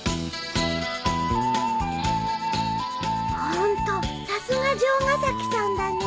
ホントさすが城ヶ崎さんだね。